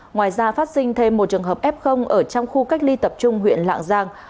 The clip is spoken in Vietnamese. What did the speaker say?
ngoài ra phát sinh thêm một trường hợp f ở trong khu cách ly tập trung huyện lạng giang